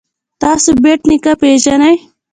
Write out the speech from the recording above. تاسو بېټ نیکه پيژنئ.